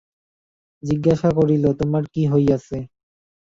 জিজ্ঞাসা করিল, তোমার কী হইয়াছে?